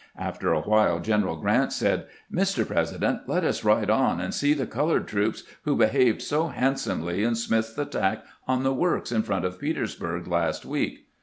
After a while General Grant said :" Mr. President, let us ride on and see the colored troops, who behaved so handsomely in Smith's attack on the works in front of Petersburg last week."